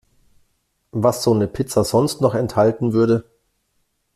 Was so 'ne Pizza sonst noch enthalten würde.